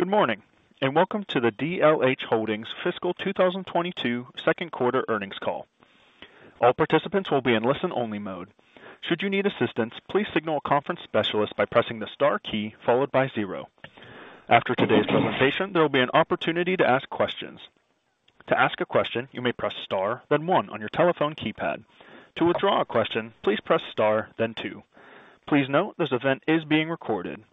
Good morning, and welcome to the DLH Holdings Fiscal 2022 second quarter earnings call. All participants will be in listen-only mode. Should you need assistance, please signal a conference specialist by pressing the star key followed by zero. After today's presentation, there will be an opportunity to ask questions. To ask a question, you may press star, then one on your telephone keypad. To withdraw a question, please press star then two. Please note this event is being recorded.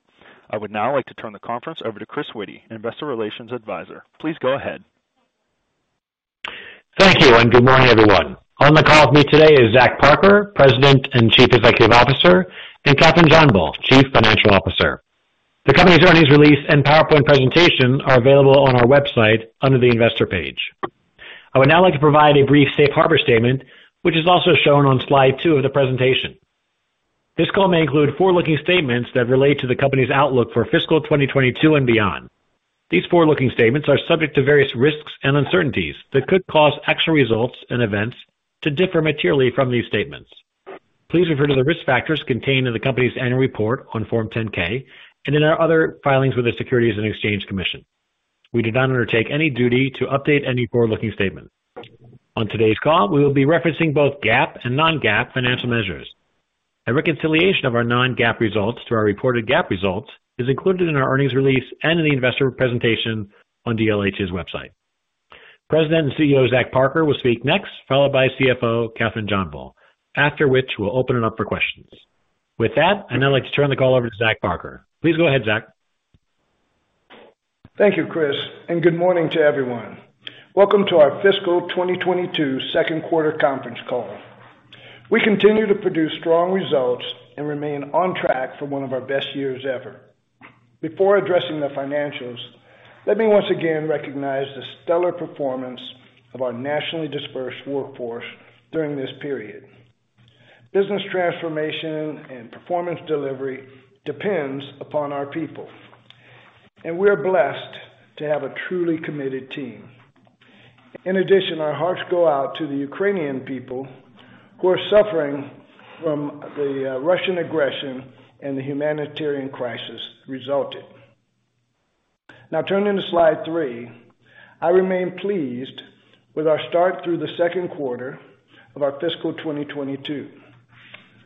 I would now like to turn the conference over to Chris Witty, Investor Relations Advisor. Please go ahead. Thank you, and good morning, everyone. On the call with me today is Zach Parker, President and Chief Executive Officer, and Kathryn JohnBull, Chief Financial Officer. The company's earnings release and PowerPoint presentation are available on our website under the investor page. I would now like to provide a brief safe harbor statement, which is also shown on slide two of the presentation. This call may include forward-looking statements that relate to the company's outlook for fiscal 2022 and beyond. These forward-looking statements are subject to various risks and uncertainties that could cause actual results and events to differ materially from these statements. Please refer to the risk factors contained in the company's annual report on Form 10-K and in our other filings with the Securities and Exchange Commission. We do not undertake any duty to update any forward-looking statements. On today's call, we will be referencing both GAAP and non-GAAP financial measures. A reconciliation of our non-GAAP results to our reported GAAP results is included in our earnings release and in the investor presentation on DLH's website. President and CEO, Zach Parker, will speak next, followed by CFO Kathryn JohnBull. After which, we'll open it up for questions. With that, I'd now like to turn the call over to Zach Parker. Please go ahead, Zach. Thank you, Chris, and good morning to everyone. Welcome to our fiscal 2022 second quarter conference call. We continue to produce strong results and remain on track for one of our best years ever. Before addressing the financials, let me once again recognize the stellar performance of our nationally dispersed workforce during this period. Business transformation and performance delivery depends upon our people. We are blessed to have a truly committed team. In addition, our hearts go out to the Ukrainian people who are suffering from the Russian aggression and the humanitarian crisis resulting. Now turning to slide three. I remain pleased with our start through the second quarter of our fiscal 2022.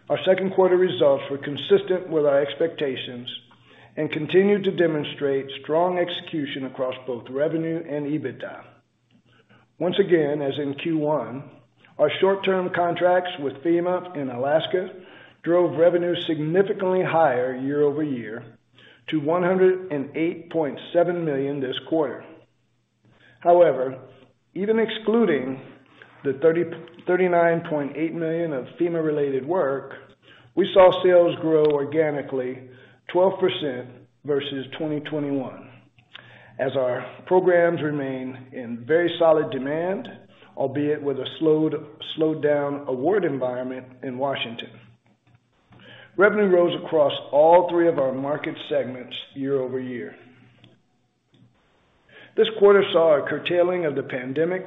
Our second quarter results were consistent with our expectations and continue to demonstrate strong execution across both revenue and EBITDA. Once again, as in Q1, our short-term contracts with FEMA in Alaska drove revenue significantly higher year-over-year to $108.7 million this quarter. However, even excluding the $39.8 million of FEMA-related work, we saw sales grow organically 12% versus 2021 as our programs remain in very solid demand, albeit with a slowed down award environment in Washington. Revenue rose across all three of our market segments year-over-year. This quarter saw a curtailing of the pandemic,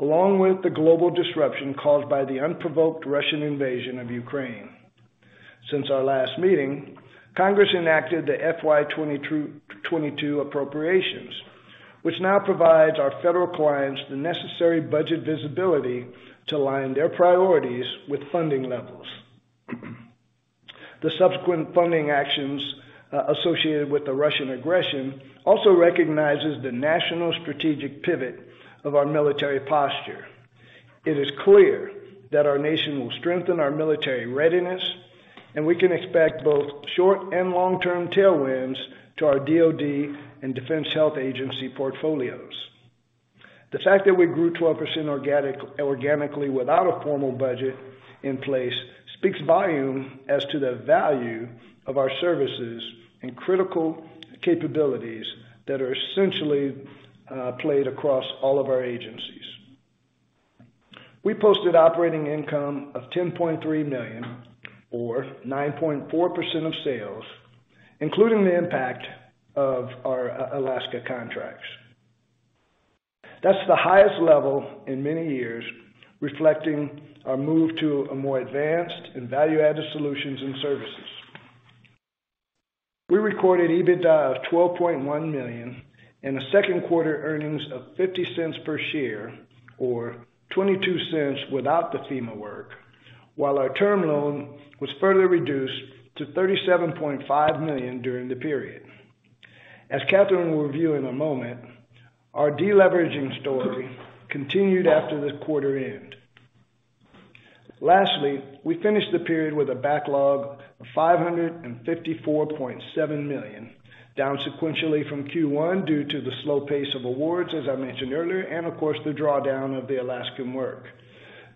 along with the global disruption caused by the unprovoked Russian invasion of Ukraine. Since our last meeting, Congress enacted the FY 2022 appropriations, which now provides our federal clients the necessary budget visibility to align their priorities with funding levels. The subsequent funding actions associated with the Russian aggression also recognizes the national strategic pivot of our military posture. It is clear that our nation will strengthen our military readiness, and we can expect both short- and long-term tailwinds to our DoD and Defense Health Agency portfolios. The fact that we grew 12% organically without a formal budget in place speaks volumes as to the value of our services and critical capabilities that are essentially played across all of our agencies. We posted operating income of $10.3 million or 9.4% of sales, including the impact of our Alaska contracts. That's the highest level in many years, reflecting our move to a more advanced and value-added solutions and services. We recorded EBITDA of $12.1 million and the second quarter earnings of $0.50 per share, or $0.22 without the FEMA work, while our term loan was further reduced to $37.5 million during the period. As Kathryn will review in a moment, our deleveraging story continued after the quarter end. Lastly, we finished the period with a backlog of $554.7 million, down sequentially from Q1 due to the slow pace of awards, as I mentioned earlier, and of course, the drawdown of the Alaskan work.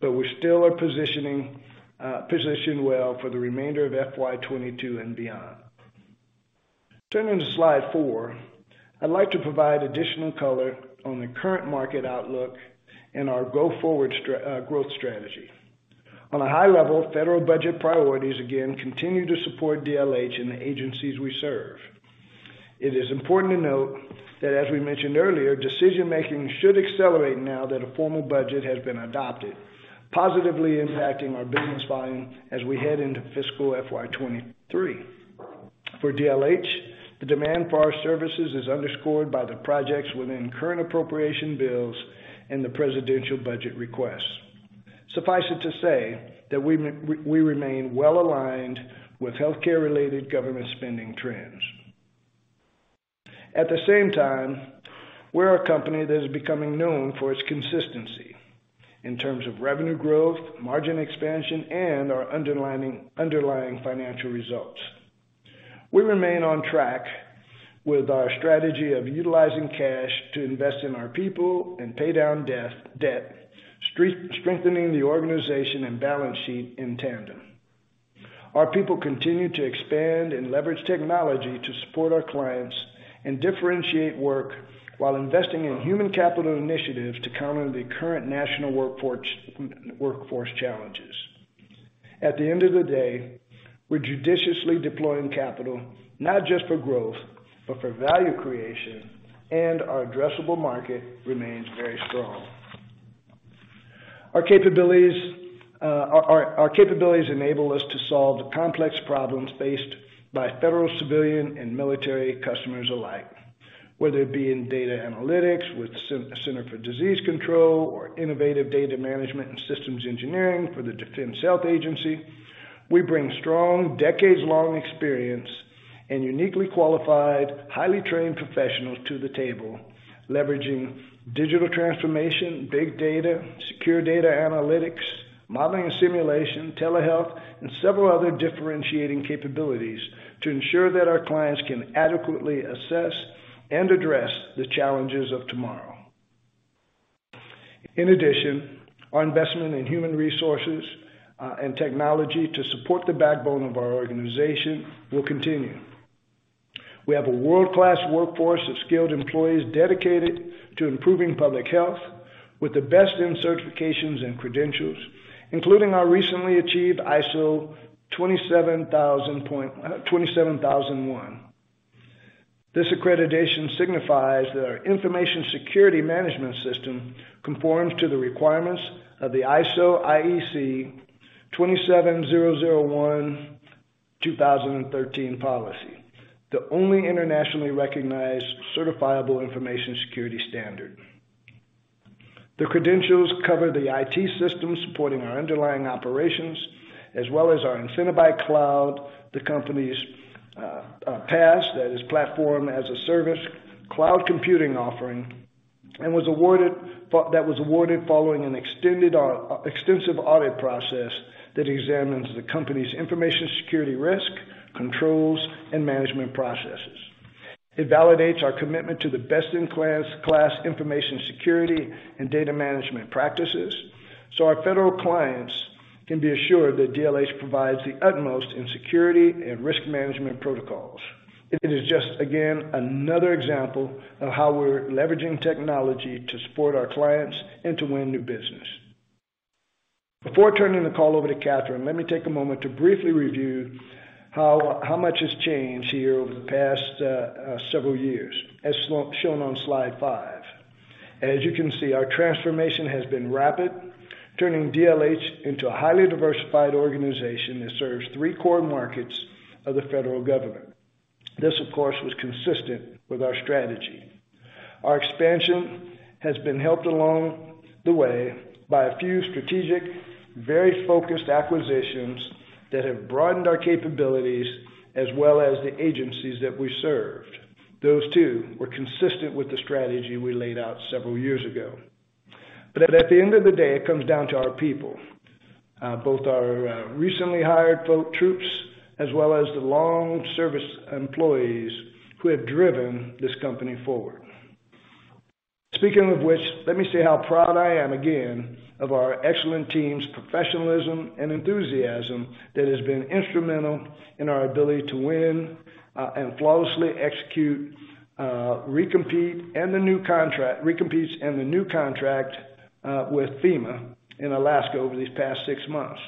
We still are positioning, positioned well for the remainder of FY 2022 and beyond. Turning to slide four. I'd like to provide additional color on the current market outlook and our go-forward growth strategy. On a high level, federal budget priorities again continue to support DLH and the agencies we serve. It is important to note that as we mentioned earlier, decision-making should accelerate now that a formal budget has been adopted, positively impacting our business volume as we head into fiscal FY 2023. For DLH, the demand for our services is underscored by the projects within current appropriation bills and the presidential budget requests. Suffice it to say that we remain well-aligned with healthcare-related government spending trends. At the same time, we're a company that is becoming known for its consistency in terms of revenue growth, margin expansion, and our underlying financial results. We remain on track with our strategy of utilizing cash to invest in our people and pay down debt, strengthening the organization and balance sheet in tandem. Our people continue to expand and leverage technology to support our clients and differentiate work while investing in human capital initiatives to counter the current national workforce challenges. At the end of the day, we're judiciously deploying capital, not just for growth, but for value creation, and our addressable market remains very strong. Our capabilities enable us to solve the complex problems faced by federal, civilian, and military customers alike, whether it be in data analytics with Centers for Disease Control and Prevention or innovative data management and systems engineering for the Defense Health Agency. We bring strong decades-long experience and uniquely qualified, highly trained professionals to the table, leveraging digital transformation, big data, secure data analytics, modeling and simulation, telehealth, and several other differentiating capabilities to ensure that our clients can adequately assess and address the challenges of tomorrow. In addition, our investment in human resources and technology to support the backbone of our organization will continue. We have a world-class workforce of skilled employees dedicated to improving public health with the best in certifications and credentials, including our recently achieved ISO 27001. This accreditation signifies that our information security management system conforms to the requirements of the ISO/IEC 27001:2013 policy, the only internationally recognized certifiable information security standard. The credentials cover the IT systems supporting our underlying operations, as well as our Infinibyte Cloud, the company's PaaS, that is Platform as a Service, cloud computing offering, and that was awarded following an extensive audit process that examines the company's information security risk, controls, and management processes. It validates our commitment to the best-in-class information security and data management practices, so our federal clients can be assured that DLH provides the utmost in security and risk management protocols. It is just, again, another example of how we're leveraging technology to support our clients and to win new business. Before turning the call over to Kathryn, let me take a moment to briefly review how much has changed here over the past several years, as shown on slide five. As you can see, our transformation has been rapid, turning DLH into a highly diversified organization that serves three core markets of the federal government. This, of course, was consistent with our strategy. Our expansion has been helped along the way by a few strategic, very focused acquisitions that have broadened our capabilities as well as the agencies that we serve. Those too were consistent with the strategy we laid out several years ago. At the end of the day, it comes down to our people, both our recently hired folks troops as well as the long-service employees who have driven this company forward. Speaking of which, let me say how proud I am again of our excellent team's professionalism and enthusiasm that has been instrumental in our ability to win and flawlessly execute recompetes and the new contract with FEMA in Alaska over these past six months.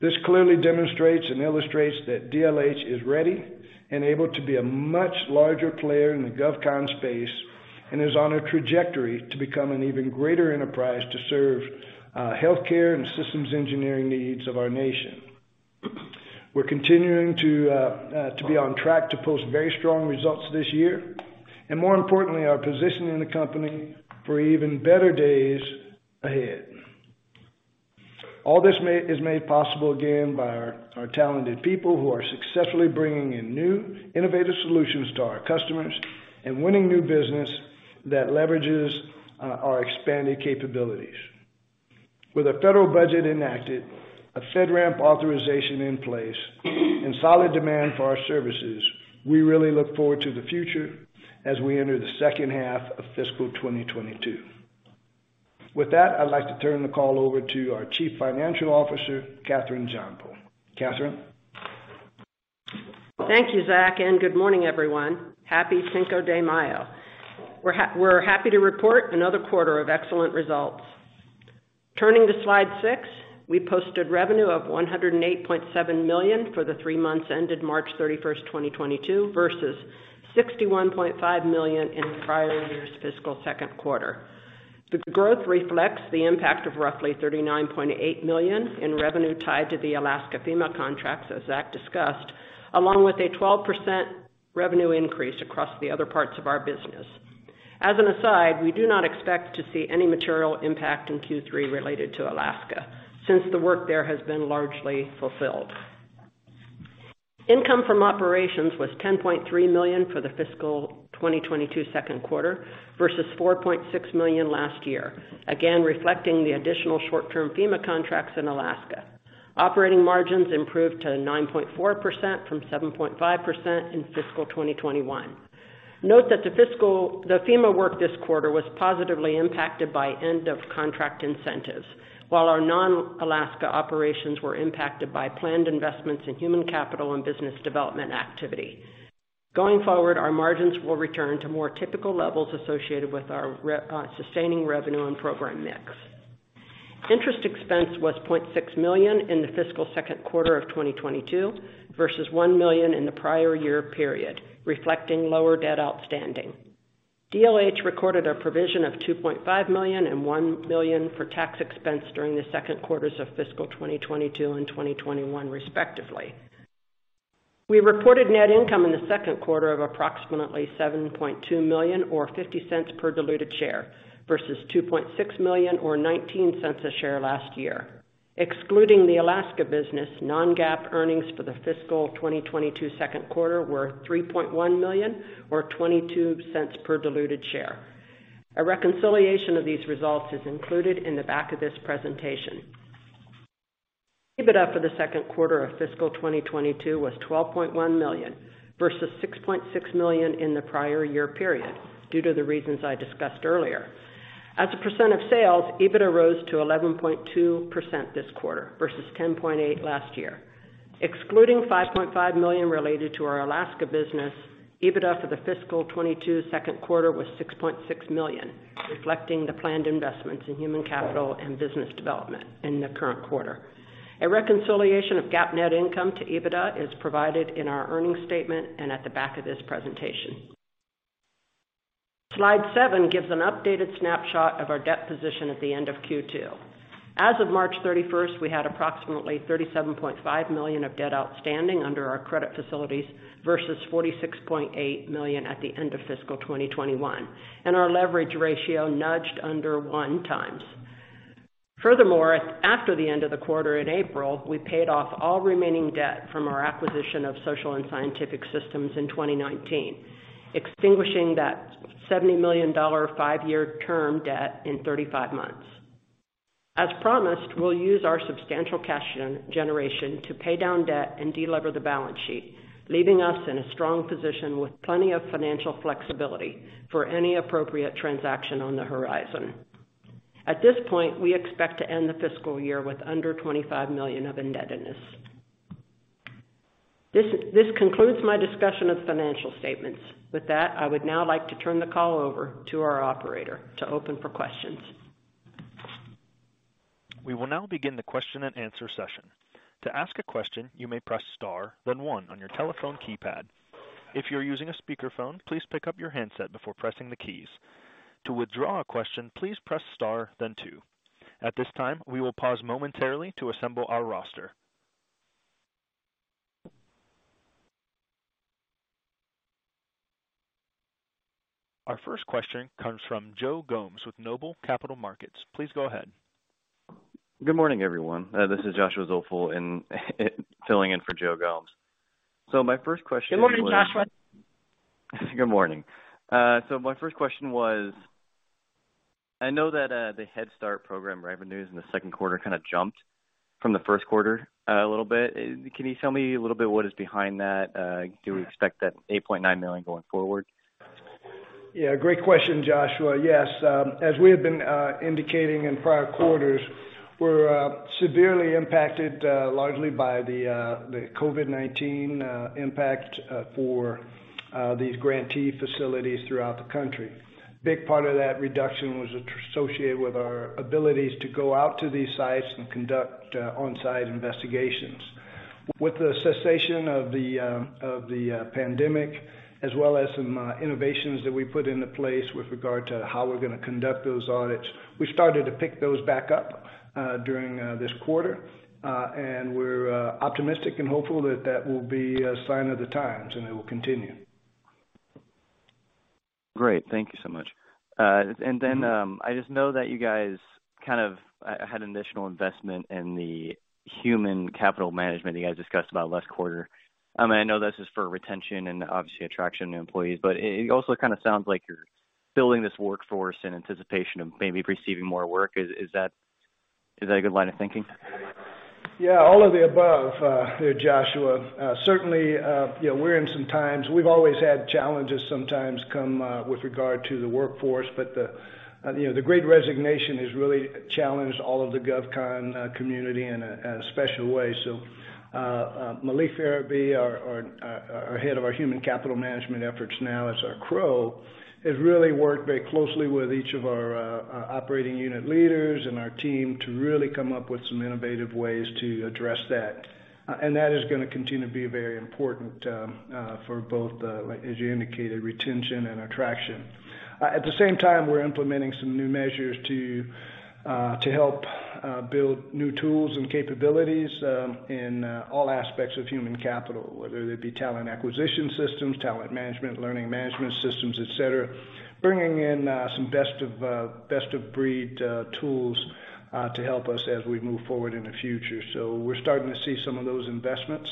This clearly demonstrates and illustrates that DLH is ready and able to be a much larger player in the GovCon space and is on a trajectory to become an even greater enterprise to serve healthcare and systems engineering needs of our nation. We're continuing to be on track to post very strong results this year, and more importantly, are positioning the company for even better days ahead. All this is made possible again by our talented people who are successfully bringing in new innovative solutions to our customers and winning new business that leverages our expanded capabilities. With a federal budget enacted, a FedRAMP authorization in place, and solid demand for our services, we really look forward to the future as we enter the second half of fiscal 2022. With that, I'd like to turn the call over to our Chief Financial Officer, Kathryn JohnBull. Kathryn? Thank you, Zach, and good morning, everyone. Happy Cinco de Mayo. We're happy to report another quarter of excellent results. Turning to slide six. We posted revenue of $108.7 million for the three months ended March 31, 2022 versus $61.5 million in prior year's fiscal second quarter. The growth reflects the impact of roughly $39.8 million in revenue tied to the Alaska FEMA contracts, as Zach discussed, along with a 12% revenue increase across the other parts of our business. As an aside, we do not expect to see any material impact in Q3 related to Alaska, since the work there has been largely fulfilled. Income from operations was $10.3 million for the fiscal 2022 second quarter versus $4.6 million last year. Again, reflecting the additional short-term FEMA contracts in Alaska. Operating margins improved to 9.4% from 7.5% in fiscal 2021. Note that the FEMA work this quarter was positively impacted by end of contract incentives, while our non-Alaska operations were impacted by planned investments in human capital and business development activity. Going forward, our margins will return to more typical levels associated with our sustaining revenue and program mix. Interest expense was $0.6 million in the fiscal second quarter of 2022 versus $1 million in the prior year period, reflecting lower debt outstanding. DLH recorded a provision of $2.5 million and $1 million for tax expense during the second quarters of fiscal 2022 and 2021 respectively. We reported net income in the second quarter of approximately $7.2 million or $0.50 per diluted share versus $2.6 million or $0.19 a share last year. Excluding the Alaska business, non-GAAP earnings for the fiscal 2022 second quarter were $3.1 million or $0.22 per diluted share. A reconciliation of these results is included in the back of this presentation. EBITDA for the second quarter of fiscal 2022 was $12.1 million versus $6.6 million in the prior year period, due to the reasons I discussed earlier. As a percent of sales, EBITDA rose to 11.2% this quarter versus 10.8% last year. Excluding $5.5 million related to our Alaska business, EBITDA for the fiscal 2022 second quarter was $6.6 million, reflecting the planned investments in human capital and business development in the current quarter. A reconciliation of GAAP net income to EBITDA is provided in our earnings statement and at the back of this presentation. Slide seven gives an updated snapshot of our debt position at the end of Q2. As of March 31, we had approximately $37.5 million of debt outstanding under our credit facilities versus $46.8 million at the end of fiscal 2021, and our leverage ratio nudged under 1x. Furthermore, after the end of the quarter in April, we paid off all remaining debt from our acquisition of Social & Scientific Systems in 2019, extinguishing that $70 million five-year term debt in 35 months. As promised, we'll use our substantial cash generation to pay down debt and de-lever the balance sheet, leaving us in a strong position with plenty of financial flexibility for any appropriate transaction on the horizon. At this point, we expect to end the fiscal year with under $25 million of indebtedness. This concludes my discussion of financial statements. With that, I would now like to turn the call over to our operator to open for questions. We will now begin the question and answer session. To ask a question, you may press star, then one on your telephone keypad. If you're using a speakerphone, please pick up your handset before pressing the keys. To withdraw a question, please press star then two. At this time, we will pause momentarily to assemble our roster. Our first question comes from Joe Gomes with Noble Capital Markets. Please go ahead. Good morning, everyone. This is Joshua Zoepfel filling in for Joe Gomes. My first question is- Good morning, Joshua. Good morning. My first question was, I know that, the Head Start program revenues in the second quarter kinda jumped from the first quarter, a little bit. Can you tell me a little bit what is behind that? Do we expect that $8.9 million going forward? Yeah, great question, Joshua. Yes. As we have been indicating in prior quarters, we're severely impacted largely by the COVID-19 impact for these grantee facilities throughout the country. Big part of that reduction was associated with our abilities to go out to these sites and conduct on-site investigations. With the cessation of the pandemic, as well as some innovations that we put into place with regard to how we're gonna conduct those audits, we started to pick those back up during this quarter. We're optimistic and hopeful that that will be a sign of the times and it will continue. Great. Thank you so much. I just know that you guys kind of had additional investment in the human capital management you guys discussed about last quarter. I know this is for retention and obviously attraction of employees, but it also kind of sounds like you're building this workforce in anticipation of maybe receiving more work. Is that a good line of thinking? Yeah, all of the above, Joshua. Certainly, you know, we're in some times. We've always had challenges sometimes come with regard to the workforce, but you know, the Great Resignation has really challenged all of the GovCon community in a special way. G. Maliek Ferebee, our head of our human capital management efforts now as our CRO, has really worked very closely with each of our operating unit leaders and our team to really come up with some innovative ways to address that. That is gonna continue to be very important for both the, like as you indicated, retention and attraction. At the same time, we're implementing some new measures to help build new tools and capabilities in all aspects of human capital, whether that be talent acquisition systems, talent management, learning management systems, et cetera. Bringing in some best of breed tools to help us as we move forward in the future. We're starting to see some of those investments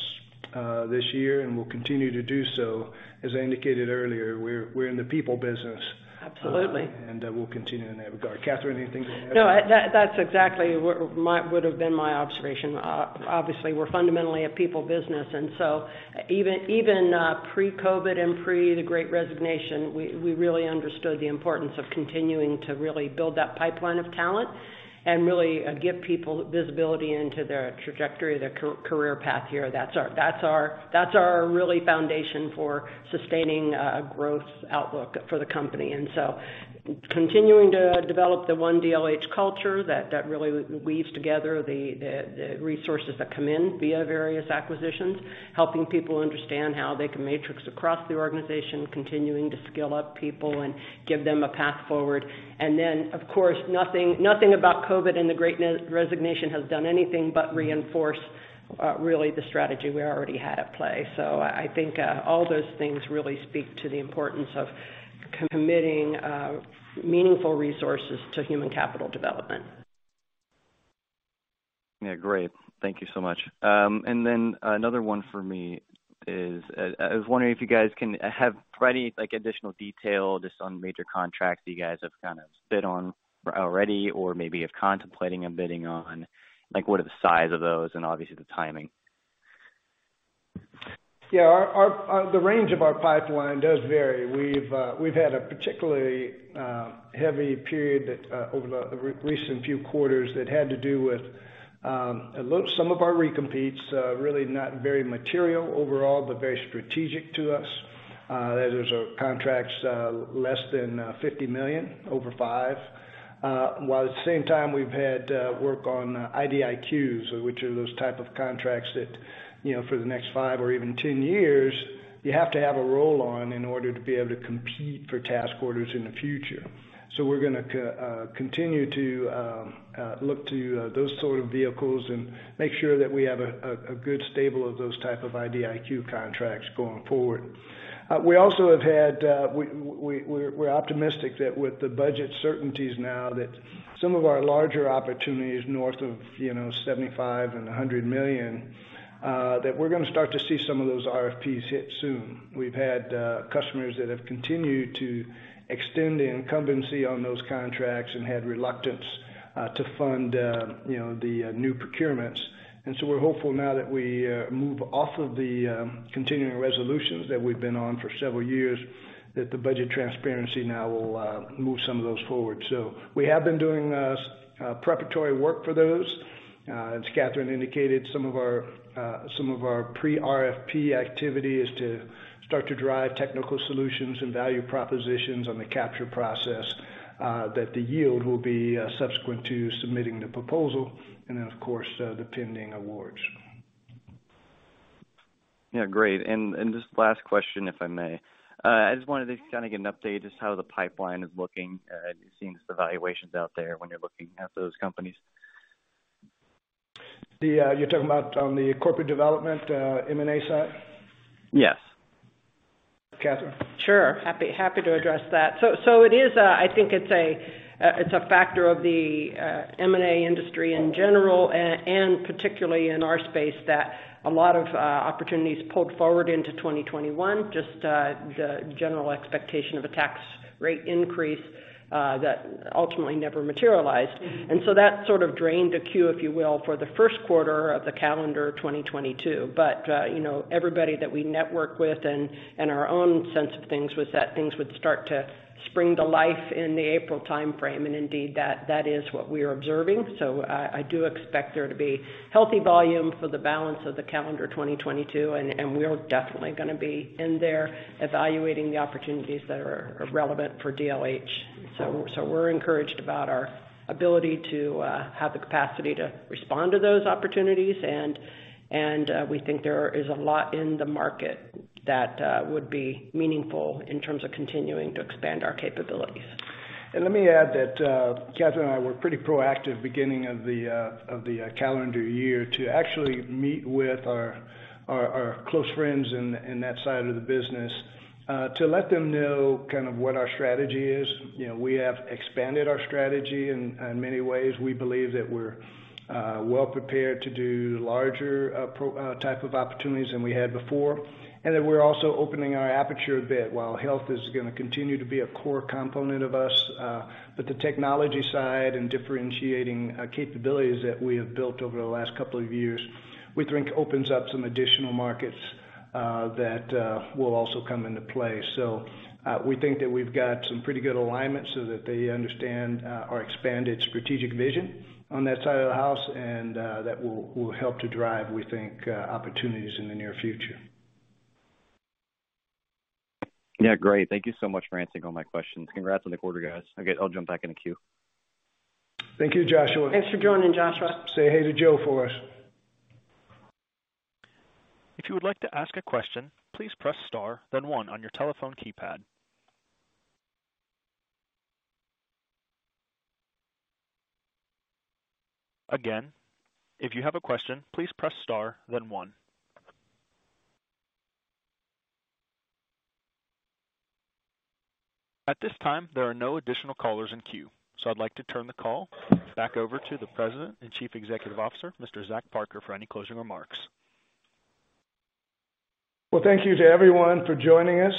this year, and we'll continue to do so. As I indicated earlier, we're in the people business. Absolutely. We'll continue in that regard. Kathryn, anything you wanna add? No. That's exactly what would have been my observation. Obviously, we're fundamentally a people business, and so even pre-COVID and pre the great resignation, we really understood the importance of continuing to really build that pipeline of talent and really give people visibility into their trajectory, their career path here. That's our really foundation for sustaining growth outlook for the company. Continuing to develop the one DLH culture that really weaves together the resources that come in via various acquisitions, helping people understand how they can matrix across the organization, continuing to skill up people and give them a path forward. Of course, nothing about COVID and the great resignation has done anything but reinforce really the strategy we already had at play. I think, all those things really speak to the importance of committing meaningful resources to human capital development. Yeah. Great. Thank you so much. Another one for me is, I was wondering if you guys have any, like, additional detail just on major contracts that you guys have kind of bid on already or maybe are contemplating and bidding on? Like, what are the size of those and obviously the timing? Yeah. The range of our pipeline does vary. We've had a particularly heavy period over the recent few quarters that had to do with some of our recompetes, really not very material overall, but very strategic to us. Those are contracts less than $50 million over five. While at the same time, we've had work on IDIQs, which are those type of contracts that, you know, for the next five or even 10 years, you have to have a role on in order to be able to compete for task orders in the future. We're gonna continue to look to those sort of vehicles and make sure that we have a good stable of those type of IDIQ contracts going forward. We're optimistic that with the budget certainties now that some of our larger opportunities north of $75 million and $100 million that we're gonna start to see some of those RFPs hit soon. We've had customers that have continued to extend the incumbency on those contracts and had reluctance to fund you know the new procurements. We're hopeful now that we move off of the continuing resolutions that we've been on for several years, that the budget transparency now will move some of those forward. We have been doing preparatory work for those. As Kathryn indicated, some of our pre-RFP activity is to start to drive technical solutions and value propositions on the capture process that the yield will be subsequent to submitting the proposal and then, of course, the pending awards. Yeah. Great. Just last question, if I may. I just wanted to kind of get an update just how the pipeline is looking, seeing as the valuations out there when you're looking at those companies. You're talking about, on the corporate development, M&A side? Yes. Kathryn. Sure. Happy to address that. It is, I think it's a factor of the M&A industry in general, and particularly in our space, that a lot of opportunities pulled forward into 2021, just the general expectation of a tax rate increase that ultimately never materialized. That sort of drained the queue, if you will, for the first quarter of the calendar 2022. You know, everybody that we network with and our own sense of things was that things would start to spring to life in the April timeframe. Indeed, that is what we are observing. I do expect there to be healthy volume for the balance of the calendar 2022, and we're definitely gonna be in there evaluating the opportunities that are relevant for DLH. We're encouraged about our ability to have the capacity to respond to those opportunities. We think there is a lot in the market that would be meaningful in terms of continuing to expand our capabilities. Let me add that, Kathryn and I were pretty proactive beginning of the calendar year to actually meet with our close friends in that side of the business, to let them know kind of what our strategy is. You know, we have expanded our strategy in many ways. We believe that we're well prepared to do larger type of opportunities than we had before, and that we're also opening our aperture a bit. While health is gonna continue to be a core component of us, but the technology side and differentiating capabilities that we have built over the last couple of years, we think opens up some additional markets that will also come into play. We think that we've got some pretty good alignment so that they understand our expanded strategic vision on that side of the house, and that will help to drive, we think, opportunities in the near future. Yeah. Great. Thank you so much for answering all my questions. Congrats on the quarter, guys. Okay, I'll jump back in the queue. Thank you, Joshua. Thanks for joining, Joshua. Say hey to Joe for us. At this time, there are no additional callers in queue. I'd like to turn the call back over to the President and Chief Executive Officer, Mr. Zach Parker, for any closing remarks. Well, thank you to everyone for joining us,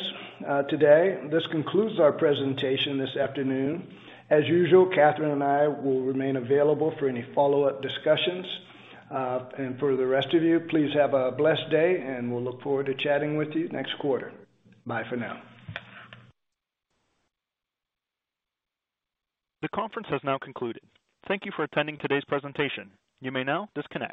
today. This concludes our presentation this afternoon. As usual, Kathryn and I will remain available for any follow-up discussions. For the rest of you, please have a blessed day, and we'll look forward to chatting with you next quarter. Bye for now. The conference has now concluded. Thank you for attending today's presentation. You may now disconnect.